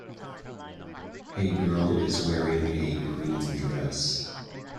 A girl is wear a green dress.